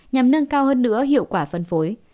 nhằm nâng cao hơn nữa hiệu quả phân phối